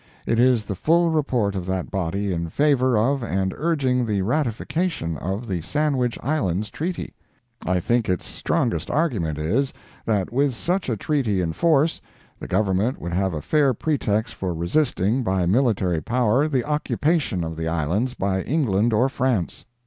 It is the full report of that body in favor of and urging the ratification of the Sandwich Islands treaty. I think its strongest argument is, that with such a treaty in force, the Government would have a fair pretext for resisting by military power, the occupation of the Islands by England or France.